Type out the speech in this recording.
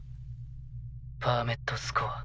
パーメットスコア２。